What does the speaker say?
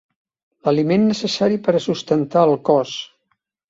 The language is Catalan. L'aliment necessari per a sustentar el cos.